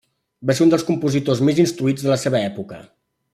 Va ser un dels compositors més instruïts de la seva època.